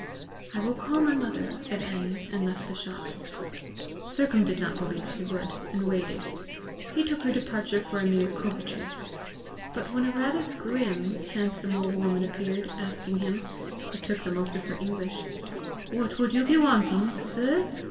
"I will call my mother," said Annie, and left the shop. Sercombe did not believe she would, and waited. He took her departure for a mere coquetry. But when a rather grim, handsome old woman appeared, asking him it took the most of her English "What would you be wanting, sir?"